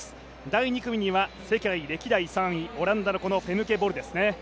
第２組には世界歴代３位オランダのこのフェムケ・ボルですね。